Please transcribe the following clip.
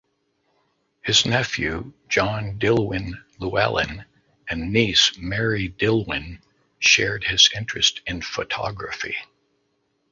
His nephew John Dillwyn Llewelyn and niece Mary Dillwyn shared his interest in photography.